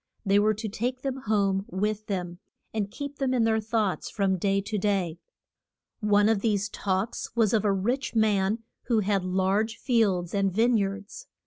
They were to take them home with them, and keep them in their thoughts from day to day. One of these talks was of a rich man who had large fields and vine yards.